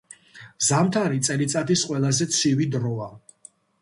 ზამთარი წელიწადის ყველაზე ცივი დროა.